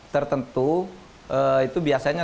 tertentu itu biasanya